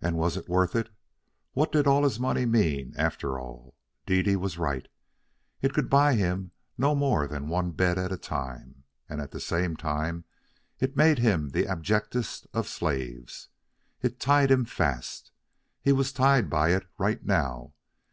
And was it worth it? What did all his money mean after all? Dede was right. It could buy him no more than one bed at a time, and at the same time it made him the abjectest of slaves. It tied him fast. He was tied by it right now.